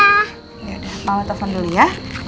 ya udah papa telepon dulu ya